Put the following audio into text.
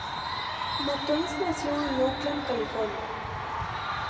Matthews nació en Oakland, California.